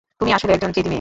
তুমি আসলে একজন জেদি মেয়ে।